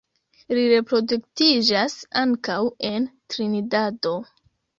Ili reproduktiĝas ankaŭ en Trinidado.